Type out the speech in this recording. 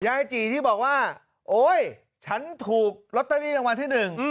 ยายจีที่บอกว่าโอ๊ยฉันถูกลอตเตอรี่รางวัลที่หนึ่ง